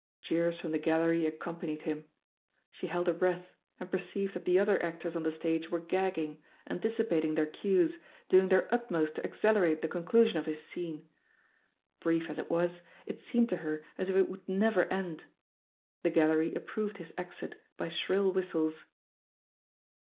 Jeers from the gallery accompanied him. She held her breath, and perceived that the other actors on the stage were gagging, antici pating their cues, doing their utmost to accelerate the conclusion of his scene. Brief as it was, it seemed to her as if it would never end. The gal lery approved his exit by shrill whistles.